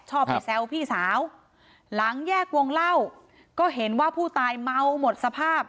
ชอบไปแซวพี่สาวหลังแยกวงเล่าก็เห็นว่าผู้ตายเมาหมดสภาพ